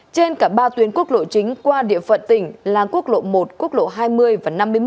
trên cả ba tuyến quốc lộ chính qua địa phận tỉnh là quốc lộ một quốc lộ hai mươi và năm mươi một